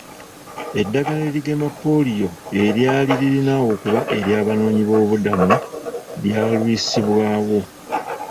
Eddagala erigema pooliyo eryali lirina okuba ery'abanoonyiboobubudamu lyalwisibwawo.